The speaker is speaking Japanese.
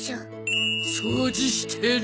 掃除してる。